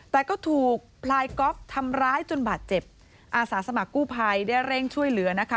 แต่ก็ถูกพลายก๊อฟทำร้ายจนบาดเจ็บอาสาสมัครกู้ภัยได้เร่งช่วยเหลือนะคะ